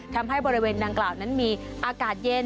ทำให้บริเวณดังกล่าวนั้นมีอากาศเย็น